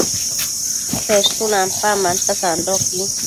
peshun ampambanta sandoquin